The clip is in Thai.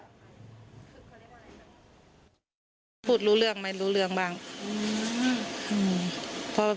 พูดรู้เรื่องไหมรู้เรื่องบ้าง